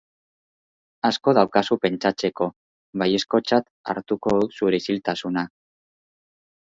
Asko daukazu pentsatzeko, baiezkotzat hartuko dut zure isiltasuna.